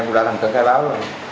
em cũng đã làm cả khai báo rồi